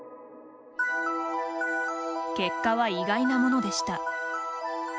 結果は意外なものでした。